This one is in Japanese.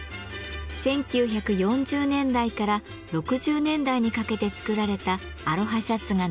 １９４０年代から６０年代にかけて作られたアロハシャツが並んでいます。